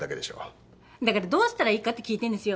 だから「どうしたらいいか？」って聞いてんですよ。